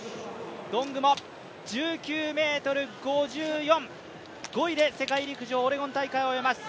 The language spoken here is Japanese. ドングモ、１９ｍ５４、５位で世界陸上オレゴン大会を終えます。